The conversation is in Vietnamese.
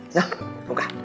nhá không cả